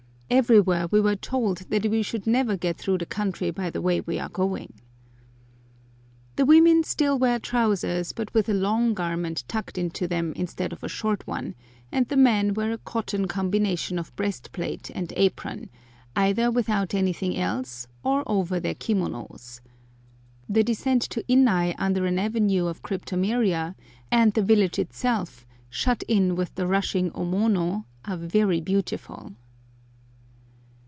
Everywhere we were told that we should never get through the country by the way we are going. The women still wear trousers, but with a long garment tucked into them instead of a short one, and the men wear a cotton combination of breastplate and apron, either without anything else, or over their kimonos. The descent to Innai under an avenue of cryptomeria, and the village itself, shut in with the rushing Omono, are very beautiful.